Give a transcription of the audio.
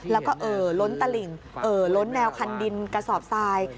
แล้วก็เอ่อล้นตลิ่งล้นแนวคันดินกระสอบทราย